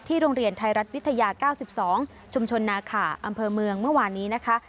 โรงเรียนไทยรัฐวิทยา๙๒ชุมชนนาขาอำเภอเมืองเมื่อวานนี้นะคะ